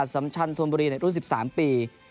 สัมชันธนบุรีในรุ่น๑๓ปี